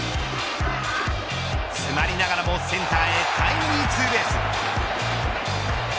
詰まりながらもセンターへタイムリーツーベース。